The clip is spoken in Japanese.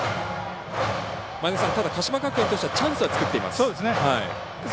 ただ、鹿島学園としてはチャンスは作っています。